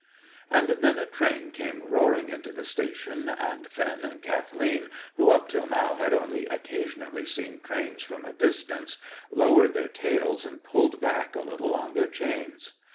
And then a train came roaring into the station, and Finn and Kathleen, who up till now had only occasionally seen trains from a distance, lowered their tails, and pulled back a little on their chains.